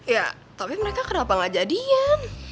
ya tapi mereka kenapa gak jadian